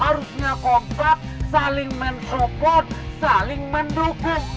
harusnya kompak saling mensupport saling mendukung